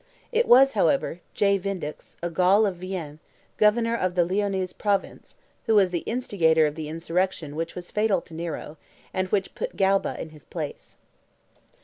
It was, however, J. Vindex, a Gaul of Vienne, governor of the Lyonnese province, who was the instigator of the insurrection which was fatal to Nero, and which put Galba in his place.